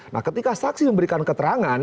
nah ketika saksi memberikan keterangan